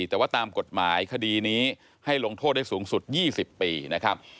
แต่ว่าตามกฎหมายคดีนี้ให้ลงโทษได้สูงสุด๒๐ปีนะครับ